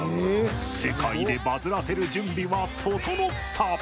世界でバズらせる準備は整った！